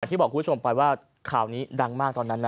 ที่บอกคุณผู้ชมไปว่าข่าวนี้ดังมากตอนนั้นนะ